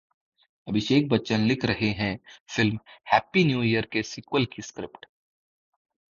अभिषेक बच्चन लिख रहे हैं फिल्म 'हैप्पी न्यू ईयर' के सीक्वल की स्क्रिप्ट